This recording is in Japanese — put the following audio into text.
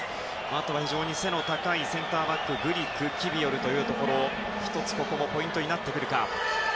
あとは非常に背の高いセンターバックのグリクやキビオルというところもポイントになるか。